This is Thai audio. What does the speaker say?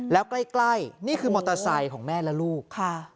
แล้วใกล้นี่คือมอเตอร์ไซค์ของแม่และลูกค่ะ